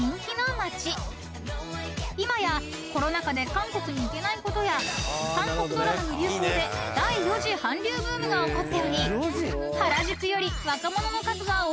［今やコロナ禍で韓国に行けないことや韓国ドラマの流行で第４次韓流ブームが起こっており］